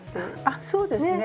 あっそうですね。